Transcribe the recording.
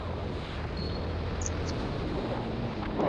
Dalili za ugonjwa wa kutoka damu sana ni mifugo kuwa na homa kali